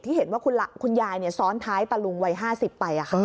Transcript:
เห็นว่าคุณยายซ้อนท้ายตะลุงวัย๕๐ไป